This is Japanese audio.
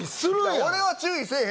俺は注意せえへん